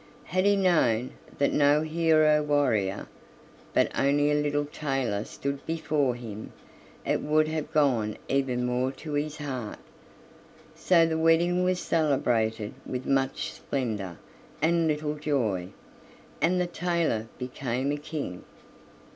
Had he known that no hero warrior, but only a little tailor stood before him, it would have gone even more to his heart. So the wedding was celebrated with much splendor and little joy, and the tailor became a king.